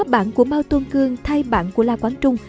bản của mao tôn cương thay bản của la quán trung